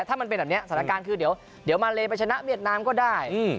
ถ้ามันเป็นแบบนี้สถานการณ์คือเดี๋ยวมาเลไปชนะเวียดนามก็ได้